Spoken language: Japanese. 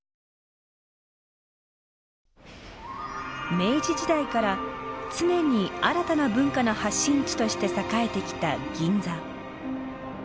明治時代から常に新たな文化の発信地として栄えてきた銀座。